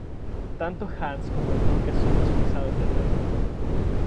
Tanto Hans como el duque son expulsados del reino.